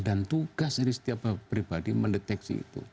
dan tugas dari setiap pribadi mendeteksi itu